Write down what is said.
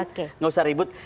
nggak usah ribut